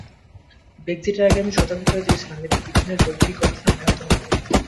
ব্রেক্সিটের আগে আমি সতর্ক করে দিয়েছিলাম, এতে ব্রিটেনের বৈজ্ঞানিক গবেষণা ব্যাহত হবে।